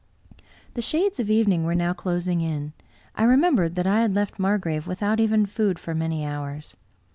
The shades of evening were now closing in. I remem bered that I had left Margrave without even food for many hours.